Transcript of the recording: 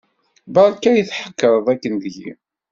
Berka i d-tḥekkreḍ akken deg-i.